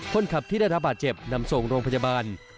คนขับที่ได้รับบาดเจ็บนำส่งโรงพยาบาล